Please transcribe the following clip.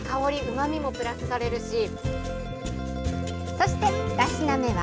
そして、２品目は。